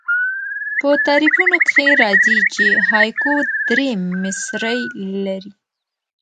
په تعریفونو کښي راځي، چي هایکو درې مصرۍ لري.